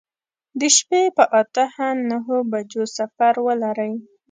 د شپې په اته نهو بجو سفر ولرئ.